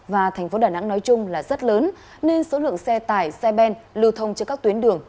và thành phố đà nẵng nói chung là rất lớn nên số lượng xe tải xe ben lưu thông trên các tuyến đường